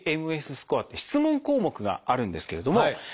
「ＡＭＳスコア」っていう質問項目があるんですけれども。